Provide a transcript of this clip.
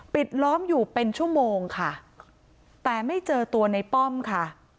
ปิดล้อมอยู่เป็นชั่วโมงค่ะแต่ไม่เจอตัวในป้อมค่ะ